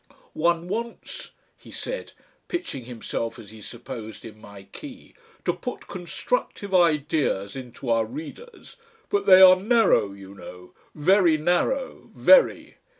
"One wants," he said, pitching himself as he supposed in my key, "to put constructive ideas into our readers, but they are narrow, you know, very narrow. Very."